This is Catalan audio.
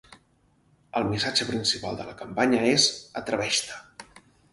El missatge principal de la campanya és “Atreveix-te”.